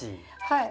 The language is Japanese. はい。